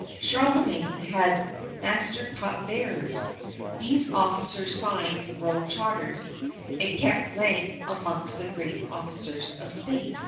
Charlemagne had master cup bearers. These officers signed royal charters, and kept rank amongst the great officers of state.